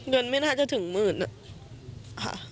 เงินไม่น่าจะถึงหมื่นค่ะ